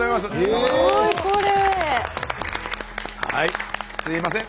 はいすいません。